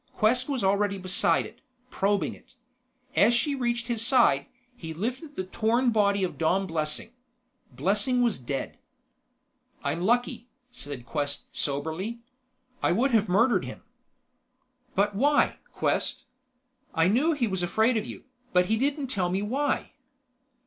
Quest was already beside it, probing it. As she reached his side, he lifted the torn body of Dom Blessing. Blessing was dead. "I'm lucky," said Quest soberly. "I would have murdered him." "But why, Quest? I knew he was afraid of you, but he didn't tell me why."